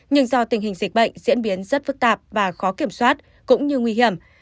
nhưng do tình hình dịch bệnh diễn biến rất phức tạp và khó kiểm soát cũng như nguy hiểm